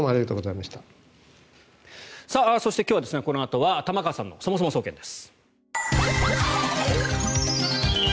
そして、今日はこのあとは玉川さんのそもそも総研です。